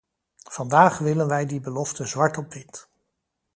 Vandaag willen wij die belofte zwart op wit.